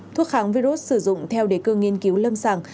thuốc kháng virus sử dụng theo đề cương nghiên cứu lâm sàng